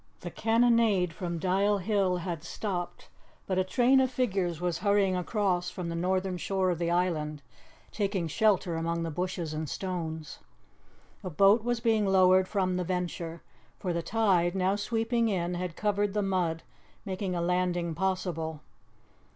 The cannonade from Dial Hill had stopped, but a train of figures was hurrying across from the northern shore of the island, taking shelter among the bushes and stones. A boat was being lowered from the Venture, for the tide, now sweeping in, had covered the mud, making a landing possible.